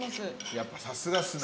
やっぱさすがっすね。